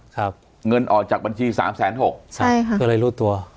ครับเงินออกจากบัญชีสามแสนหกใช่ค่ะก็เลยรู้ตัว